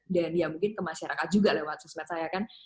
dan ya mungkin ke masyarakat juga lewat sosial media saya kan